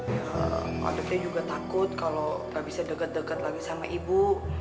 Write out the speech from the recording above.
ya adiknya juga takut kalau nggak bisa dekat dekat lagi sama ibu